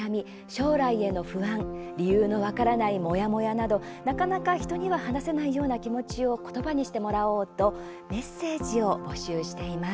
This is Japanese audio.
将来への不安理由の分からないモヤモヤなどなかなか人には話せないような気持ちを言葉にしてもらおうとメッセージを募集しています。